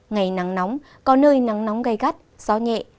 ngày nắng nóng có nơi nắng nóng gai gắt gió nhẹ